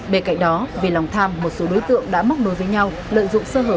bên cạnh đó vì lòng tham một số đối tượng đã móc đối với nhau lợi dụng sơ hở